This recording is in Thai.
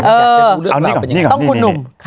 อยากจะรู้เรื่องราวเป็นยังไงต้องคุณหนุ่ม